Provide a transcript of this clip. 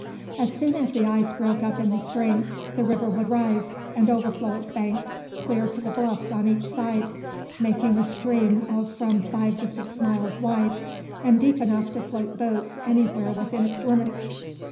As soon as the ice broke up in the spring, the river would rise and overflow its banks clear to the bluffs on each side, making a stream of from five to six miles wide, and deep enough to float boats anywhere within its limits.